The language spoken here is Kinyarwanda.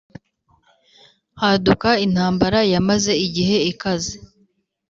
haduka intambara yamaze igihe ikaze